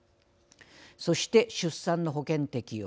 そして出産の保険適用。